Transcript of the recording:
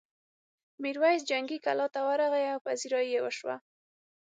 میرويس جنګي کلا ته ورغی او پذيرايي یې وشوه.